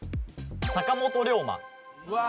坂本龍馬